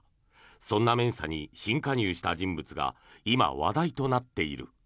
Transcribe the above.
そんなメンサに新加入した人物が今、話題となっている。